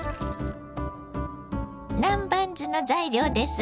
南蛮酢の材料です。